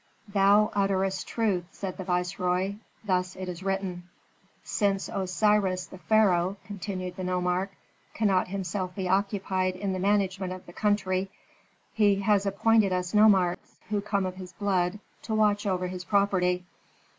"Thou utterest truth," said the viceroy. "Thus is it written." "Since Osiris the pharaoh," continued the nomarch, "cannot himself be occupied in the management of the country, he has appointed us nomarchs, who come of his blood, to watch over his property."